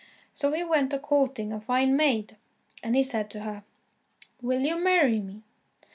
So he went a courting a fine maid, and he said to her: "Will you marry me?"